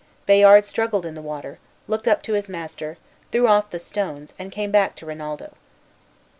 Bayard struggled in the water, looked up to his master, threw off the stones, and came back to Rinaldo.